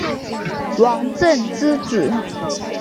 王震之子。